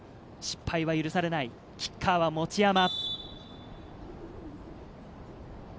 失敗は許されないキッカーは持山。